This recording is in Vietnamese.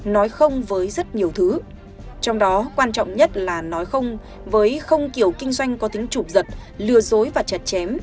với rất nhiều thứ trong đó quan trọng nhất là nói không với không kiểu kinh doanh có tính trụt giật lừa dối và chật chém